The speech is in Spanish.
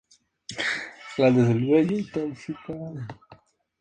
El diseño era radical en un aspecto.